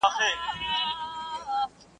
هندو تې ول دولت زيات، هغه ول پر خپل هغې پام کوه.